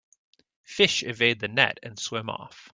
Fish evade the net and swim off.